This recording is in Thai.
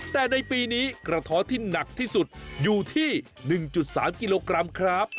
แต่ในปีนี้กระท้อที่หนักที่สุดอยู่ที่๑๓กิโลกรัมครับ